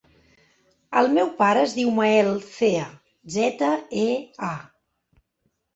El meu pare es diu Mael Zea: zeta, e, a.